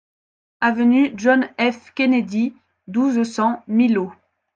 Avenue John F Kennedy, douze, cent Millau